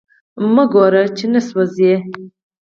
مه ګوره چی نه سوازی